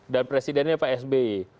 dan presidennya pak sby